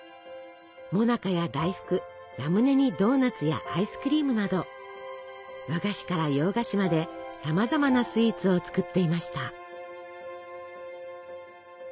もなかや大福ラムネにドーナツやアイスクリームなど和菓子から洋菓子までさまざまなスイーツを作っていました。